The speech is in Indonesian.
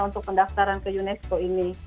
untuk pendaftaran ke unesco ini